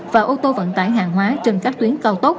và ô tô vận tải hàng hóa trên các tuyến cao tốc